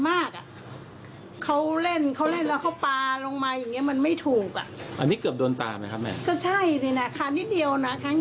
เย็บไม่เช่นน้อยน้อยอย่างเงี้ยคิดดูอ่ะแล้วเด็กตัวแค่เนี้ย